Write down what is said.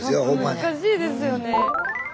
難しいですよね。